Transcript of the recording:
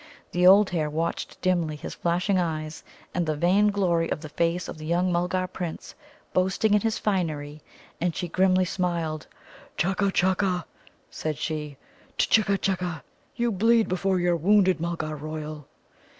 The old hare watched dimly his flashing eyes and the vainglory of the face of the young Mulgar Prince boasting in his finery, and she grimly smiled. "Chakka, chakka," says she; "tchackka, tchackka: you bleed before you're wounded, Mulgar royal."